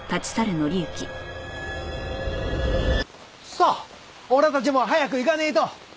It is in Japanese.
さあ俺たちも早く行かねえと。